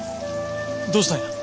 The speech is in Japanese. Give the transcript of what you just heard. どうしたんや？